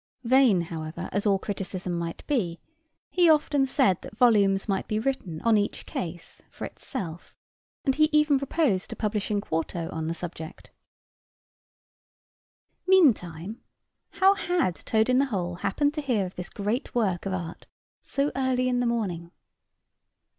Vain, however, as all criticism might be, he often said that volumes might be written on each case for itself; and he even proposed to publish in quarto on the subject. Meantime, how had Toad in the hole happened to hear of this great work of art so early in the morning?